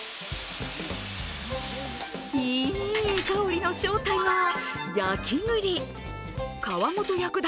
いい香りの正体は、焼き栗。